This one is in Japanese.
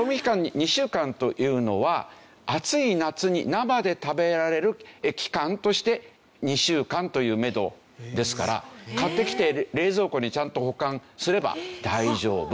２週間というのは暑い夏に生で食べられる期間として２週間というめどですから買ってきて冷蔵庫にちゃんと保管すれば大丈夫。